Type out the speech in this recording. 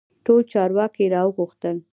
ټول چارواکي را وغوښتل.